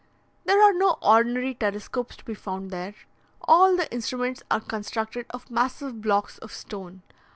There are no ordinary telescopes to be found there: all the instruments are constructed of massive blocks of stone.